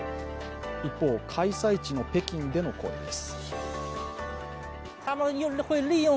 一方、開催地の北京での声です。